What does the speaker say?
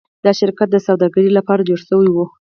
دا شرکت د سوداګرۍ لپاره جوړ شوی و.